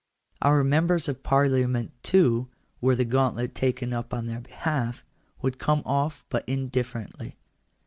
Our members of Parliament, too, were the gauntlet taken up on their behalf, would come off but indifferently.